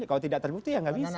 kalau tidak terbukti ya nggak bisa